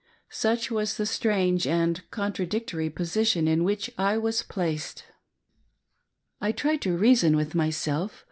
Such was the strange and contraT dictory position in which I was placed. I tried to reason with myself.